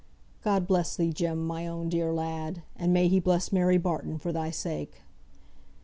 "God bless thee, Jem, my own dear lad. And may He bless Mary Barton for thy sake."